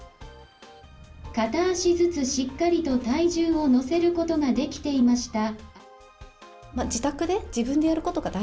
片足ずつしっかりと体重を乗せることができていました。